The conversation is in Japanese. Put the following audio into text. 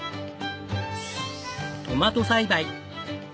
トマト栽培。